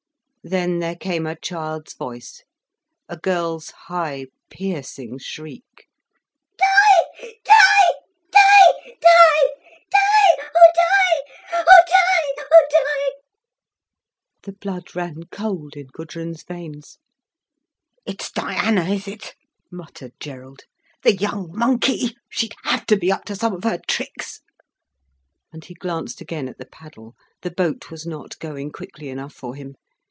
Then there came a child's voice, a girl's high, piercing shriek: "Di—Di—Di—Di—Oh Di—Oh Di—Oh Di!" The blood ran cold in Gudrun's veins. "It's Diana, is it," muttered Gerald. "The young monkey, she'd have to be up to some of her tricks." And he glanced again at the paddle, the boat was not going quickly enough for him.